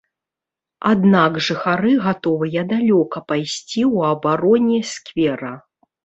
Аднак жыхары гатовыя далёка пайсці ў абароне сквера.